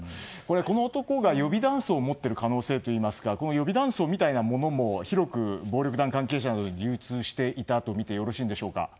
この男が予備弾倉を持っている可能性といいますか予備弾倉みたいなものも広く暴力団関係者などに流通していたとみてよろしいんでしょうか。